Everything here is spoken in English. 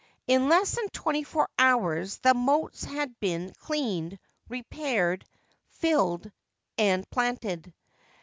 In less than twenty four hours the moats had been cleaned, repaired, filled, and planted.